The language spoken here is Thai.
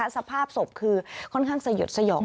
สภาพศพคือค่อนข้างสยดสยอง